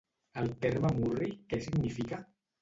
El terme murri què significa?